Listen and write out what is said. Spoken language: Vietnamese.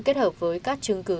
kết hợp với các chứng cứ